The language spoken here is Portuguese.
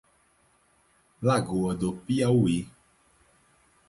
Lagoa do Piauí